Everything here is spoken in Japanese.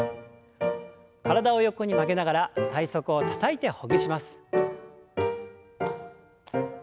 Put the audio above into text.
体を横に曲げながら体側をたたいてほぐします。